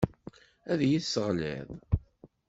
Ad iyi-yesseɣleḍ.